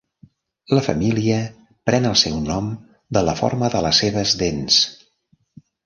La família pren el seu nom de la forma de les seves dents.